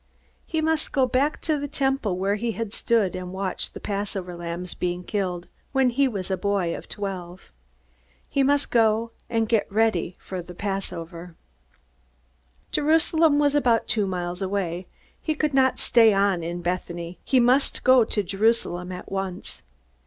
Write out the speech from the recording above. He must go back to the Temple, where he had stood and watched the Passover lambs being killed when he was a boy of twelve. He must go and get ready for the Passover. Jerusalem was about two miles away. He could not stay on in Bethany. He must go to Jerusalem at once.